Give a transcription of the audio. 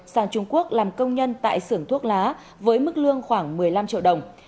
sang trung quốc làm công nhân tại xưởng thuốc lá với mức lương khoảng một mươi năm triệu đồng